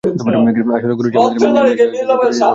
আসলে গুরুজি আমানের এই মাসে লন্ডনে ফিরে যেতে হবে।